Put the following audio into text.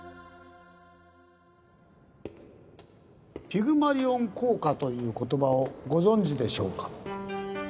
ピグマリオン効果という言葉をご存じでしょうか？